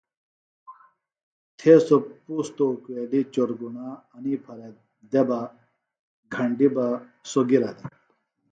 تھے سوۡ پُوستوۡ اُکیلیۡ چورگُݨا انی پھرےۡ دےۡ بہ گھنڈیۡ بہ سوۡ گِرہ دےۡ